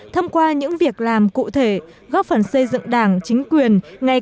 thông qua những việc làm cụ thể góp phần xây dựng đảng chính quyền